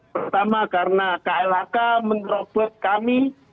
pertama karena klhk menerobot kami